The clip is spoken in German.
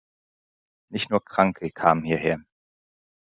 Nicht nur Kranke kamen hierher.